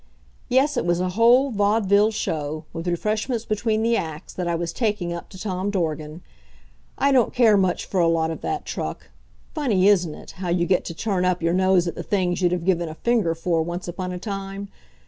Yes, it was a whole vaudeville show, with refreshments between the acts, that I was taking up to Tom Dorgan. I don't care much for a lot of that truck funny, isn't it, how you get to turn up your nose at the things you'd have given a finger for once upon a time?